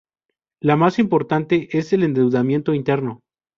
La más importante es el endeudamiento interno.